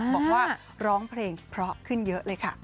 บอกว่าร้องเพลงเพราะขึ้นเยอะเลยค่ะ